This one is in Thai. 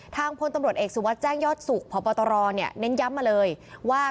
พลตำรวจเอกสุวัสดิ์แจ้งยอดสุขพบตรเน้นย้ำมาเลยว่า